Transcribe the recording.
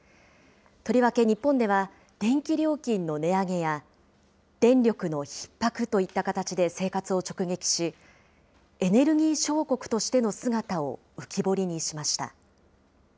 とりわけ日本では、電気料金の値上げや電力のひっ迫といった形で生活を直撃し、エネルギー小国としての姿を浮き彫りにしました。